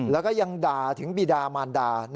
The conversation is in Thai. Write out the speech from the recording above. แล้วก็ยังด่าถึงบีดามานดา